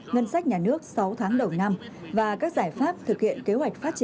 ngân sách nhà nước sáu tháng đầu năm và các giải pháp thực hiện kế hoạch phát triển